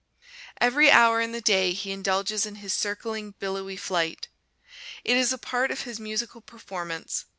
Every hour in the day he indulges in his circling, billowy flight. It is a part of his musical performance.